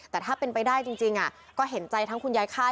แต่ถ้าเป็นไปได้จริงก็เห็นใจทั้งคุณยายค่าย